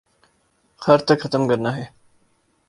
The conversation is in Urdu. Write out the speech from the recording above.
خر تک ختم کرتا ہے